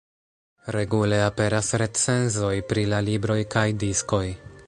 Regule aperas recenzoj pri la libroj kaj diskoj.